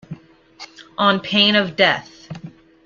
On pain of death.